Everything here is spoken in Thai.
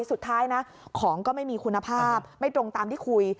สุดท้ายนะของก็ไม่มีคุณภาพไม่ตรงตามที่คุย